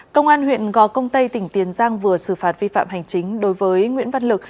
công an huyện gò công tây tỉnh tiền giang vừa xử phạt vi phạm hành chính đối với nguyễn văn lực